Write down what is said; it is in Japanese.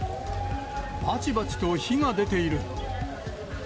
ばちばちと火が出ている。